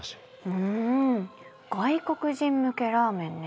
うん外国人向けラーメンね。